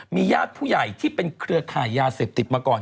มีญาติผู้ใหญ่ที่เป็นเครือข่ายยาเสพติดมาก่อน